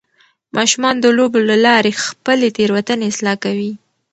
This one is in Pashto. ماشومان د لوبو له لارې خپلې تیروتنې اصلاح کوي.